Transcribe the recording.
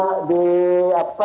yang di tengah raih jenis bomber